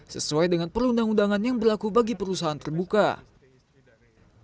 sesuai dengan perundang undangan yang berlaku bagi perusahaan terbuka